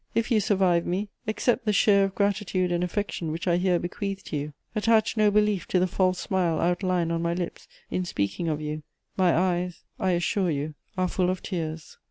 If you survive me, accept the share of gratitude and affection which I here bequeath to you. Attach no belief to the false smile outlined on my lips in speaking of you: my eyes, I assure you, are full of tears.